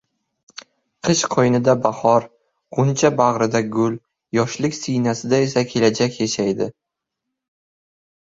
Qish qo‘ynida bahor, g‘uncha bag‘rida gul, yoshlik siynasida esa kelajak yashaydi.